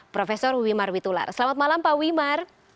prof wimar witular selamat malam pak wimar